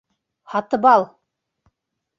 Һатыбал!